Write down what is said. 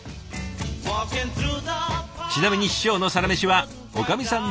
ちなみに師匠のサラメシはおかみさん